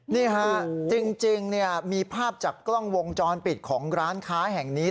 นี่ฮะจริงมีภาพจากกล้องวงจรปิดของร้านค้าแห่งนี้